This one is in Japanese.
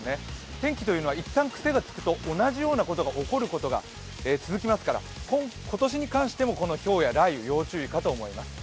天気というのはいったんくせがつくと同じようなことが起こるのが続きますから今年に関してもこのひょうや雷雨、要注意かと思います。